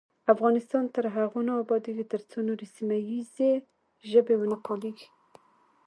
افغانستان تر هغو نه ابادیږي، ترڅو نورې سیمه ییزې ژبې ونه پالیږي.